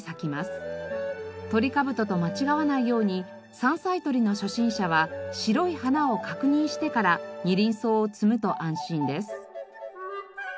トリカブトと間違わないように山菜採りの初心者は白い花を確認してからニリンソウを摘むと安心です。